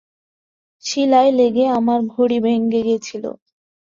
শিলায় লেগে আমার ঘড়ি ভেঙে গেছিল।